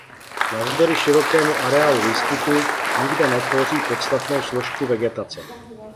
Navzdory širokému areálu výskytu nikde netvoří podstatnou složku vegetace.